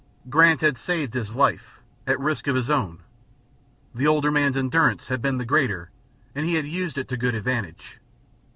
Grant had saved his life, at risk of his own; the older man's endurance had been the greater and he had used it to good advantage.